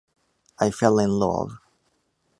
I fell in love.